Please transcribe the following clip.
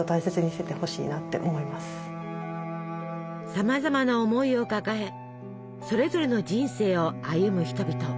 さまざまな思いを抱えそれぞれの人生を歩む人々。